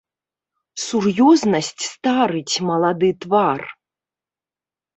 Сур'ёзнасць старыць малады твар.